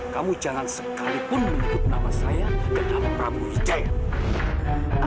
kamu jangan sekalipun menutup nama saya dan nama prabu zaira